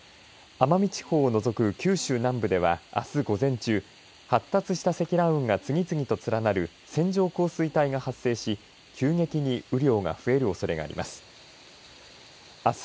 奄美地方を除く九州南部では、あす午前中発達した積乱雲が次々と連なる線状降水帯が発生し急激に雨量が増えるおそれがあります。